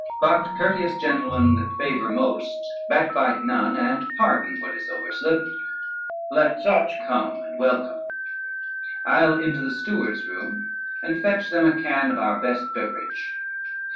But courteous gentlemen, that favor most, backbite none, and pardon what is overslipped, let such come and welcome; I'll into the steward's room, and fetch them a can of our best beverage.